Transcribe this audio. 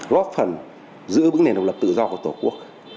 góp phần giữ vững nền độc lập tự do của tổ quốc